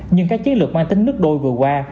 nhưng các chiến lược mang tính nước đôi vừa qua